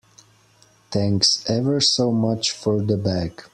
Thanks ever so much for the bag.